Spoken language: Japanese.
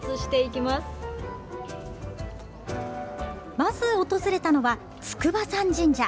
まず訪れたのは筑波山神社。